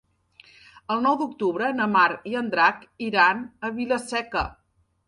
El nou d'octubre na Mar i en Drac iran a Vila-seca.